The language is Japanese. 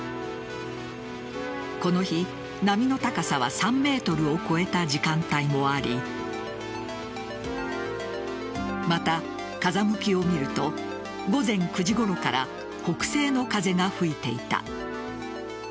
この日、波の高さは３ｍを超えた時間帯もありまた、風向きを見ると午前９時ごろから北西の風が吹いていた。